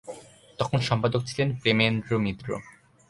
তখন সম্পাদক ছিলেন প্রেমেন্দ্র মিত্র।